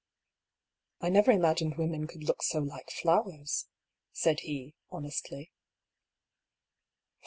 ^' I never imagined women could look so like flow ers," said he, honestly.